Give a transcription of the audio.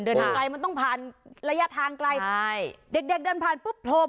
เดินไกลมันต้องพาลระยะทางไกล